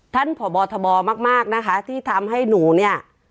ท่านผ่อบอร์ทบอร์มากมากนะคะที่ทำให้หนูเนี้ย